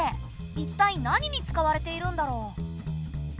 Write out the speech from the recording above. いったい何に使われているんだろう？